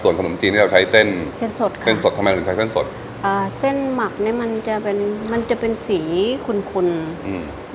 ขนมจีนที่เราใช้เส้นเส้นสดค่ะเส้นสดทำไมถึงใช้เส้นสดอ่าเส้นหมักเนี้ยมันจะเป็นมันจะเป็นสีขุนคุณอืม